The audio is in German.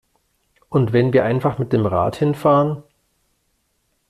Und wenn wir einfach mit dem Rad hin fahren?